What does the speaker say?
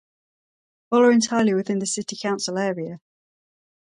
All are entirely within the city council area.